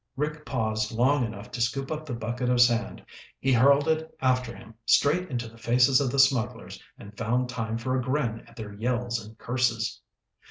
Rick paused long enough to scoop up the bucket of sand. He hurled it after him, straight into the faces of the smugglers and found time for a grin at their yells and curses.